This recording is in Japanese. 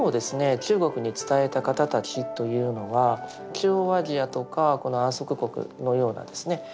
中国に伝えた方たちというのは中央アジアとかこの安息国のようなですね